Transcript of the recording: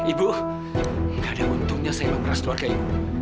ibu gak ada untungnya saya memeras keluarga ibu